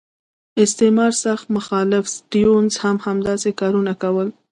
استعمار سخت مخالف سټیونز هم همداسې کارونه کول.